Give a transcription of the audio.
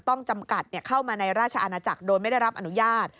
จำกัดเข้ามาในราชอาณาจักรโดยไม่ได้รับอนุญาต